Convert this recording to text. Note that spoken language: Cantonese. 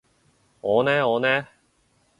我呢我呢？